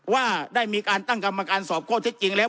ว่าได้มีการตั้งกรรมการสอบข้อเท็จจริงแล้ว